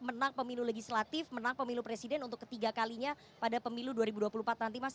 menang pemilu legislatif menang pemilu presiden untuk ketiga kalinya pada pemilu dua ribu dua puluh empat nanti mas